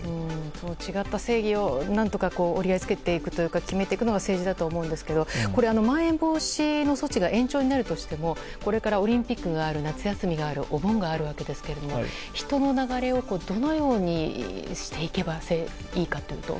違った正義を折り合いをつけていくというか決めていくのが政治だと思いますがまん延防止の措置が延長になるとしてもこれからオリンピックがある夏休みがあるお盆があるわけですが人の流れをどのようにしていけばいいかというと。